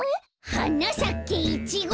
「はなさけイチゴ」